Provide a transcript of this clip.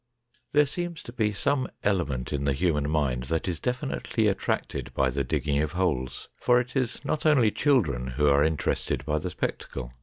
There seems to be some element in the human mind that is definitely attracted by the digging of holes, for it is not only children who are interested by the spectacle.